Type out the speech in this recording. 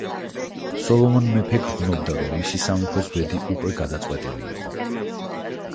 სოლომონ მეფე გრძნობდა, რომ მისი სამეფოს ბედი უკვე გადაწყვეტილი იყო.